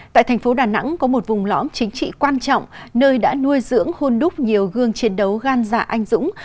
tại thành phố đà nẵng có một vùng lõm chính trị quan trọng nơi đã nuôi dưỡng hôn đúc nhiều gương chiến đấu gan dạ anh dũng